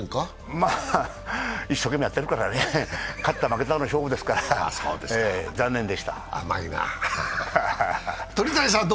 まあ、一生懸命やってるから勝った負けたの勝負ですから甘いな。